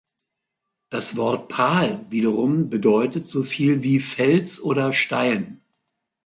Das Wort "-pal" wiederum bedeutet so viel wie Fels oder Stein.